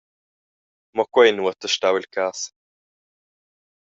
Mo quei ei nuota stau il cass.